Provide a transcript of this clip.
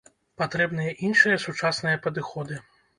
Патрэбныя іншыя сучасныя падыходы.